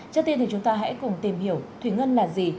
trước tiên thì chúng ta hãy cùng tìm hiểu thủy ngân là gì